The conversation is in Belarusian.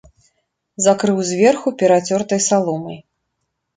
Закрыў зверху перацёртай саломай.